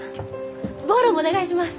ボーロもお願いします。